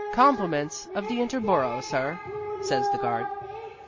"Compliments of the Interborough, sir," says the guard.